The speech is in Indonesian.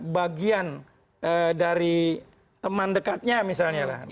bagian dari teman dekatnya misalnya lah